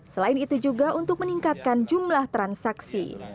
selain itu juga untuk meningkatkan jumlah transaksi